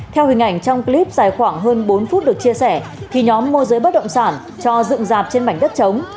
theo hình ảnh trong clip dài khoảng hơn bốn phút được chia sẻ thì nhóm môi giới bất động sản cho dựng dạp trên mảnh đất chống